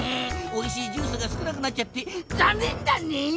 おいしいジュースが少なくなっちゃってざんねんだねぇ！